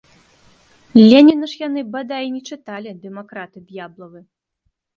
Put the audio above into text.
Леніна ж яны, бадай, і не чыталі, дэмакраты д'яблавы!